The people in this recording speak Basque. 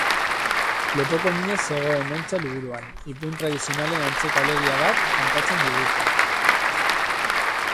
Lepoko minez zegoen hontza liburuan, ipuin tradizionalen antzeko alegia bat kontatzen digute.